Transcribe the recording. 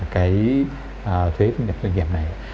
cái thuế thu nhập doanh nghiệp này